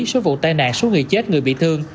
số vụ tai nạn số người chết người bị thương